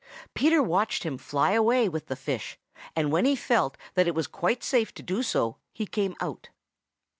Peter watched him fly away with the fish, and when he felt that it was quite safe to do so, he came out.